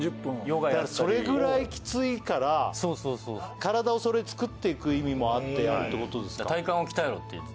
ヨガやったりそれぐらいキツイから体を作っていく意味もあってやるってことですか